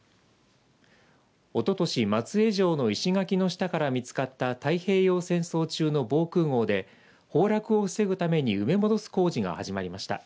おととし、松江城の石垣の下から見つかった太平洋戦争中の防空ごうで崩落を防ぐために埋め戻す工事が始まりました。